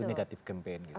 itu negatif campaign gitu